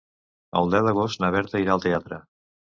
El deu d'agost na Berta irà al teatre.